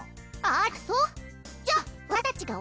あらそう！